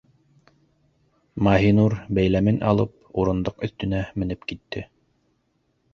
Маһинур, бәйләмен алып, урындыҡ өҫтөнә менеп китте: